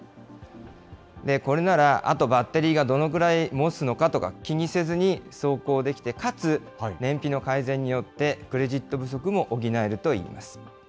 これならあと、バッテリーがどれぐらいもつのかとか気にせずに走行できて、かつ燃費の改善によって、クレジット不足も補えるといいます。